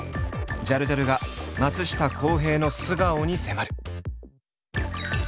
ジャルジャルが松下洸平の素顔に迫る。